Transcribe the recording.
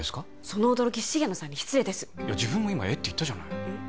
その驚き重野さんに失礼ですいや自分も今「えっ？」て言ったじゃないえっ？